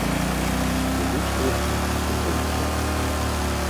Жывуць на дне, у грунце.